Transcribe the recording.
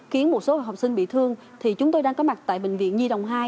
khiến một số học sinh bị thương thì chúng tôi đang có mặt tại bệnh viện nhi đồng hai